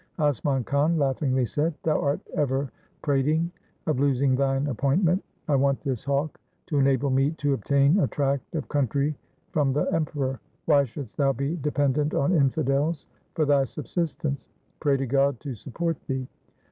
Asman Khan laughingly said, ' Thou art ever prating of losing thine appoint ment. I want this hawk to enable me to obtain a tract of country from the Emperor. Why shouldst thou be dependent on infidels for thy subsistence ? Pray to God to support thee.'